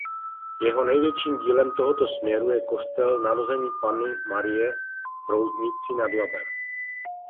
Jeho největším dílem tohoto směru je kostel Narození Panny Marie v Roudnici nad Labem.